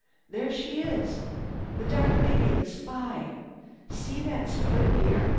There she is! The dark lady, the spy! See that split ear?